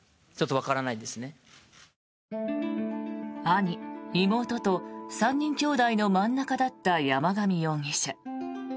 兄、妹と３人きょうだいの真ん中だった山上容疑者。